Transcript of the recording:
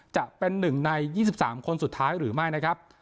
จะเป็น๑ใน๒๓คนสุดท้ายหรือไม่นะครับ